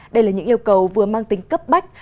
đây là những yêu cầu vừa mang tính cấp bách